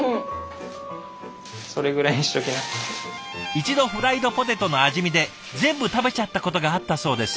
一度フライドポテトの味見で全部食べちゃったことがあったそうです。